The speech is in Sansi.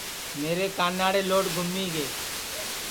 میرے کاناڑے لوڈ گُمی گے